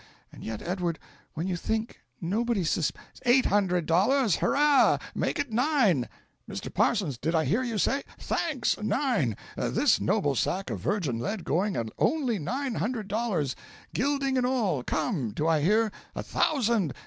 And yet, Edward, when you think nobody susp ("Eight hundred dollars! hurrah! make it nine! Mr. Parsons, did I hear you say thanks! nine! this noble sack of virgin lead going at only nine hundred dollars, gilding and all come! do I hear a thousand!